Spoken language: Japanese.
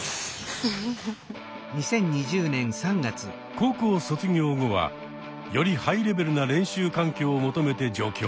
高校卒業後はよりハイレベルな練習環境を求めて上京。